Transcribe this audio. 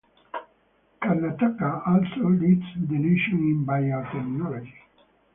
Karnataka also leads the nation in biotechnology.